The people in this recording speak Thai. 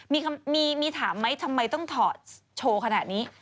มีถามไหมทำไมต้องถอดโชว์ขนาดนี้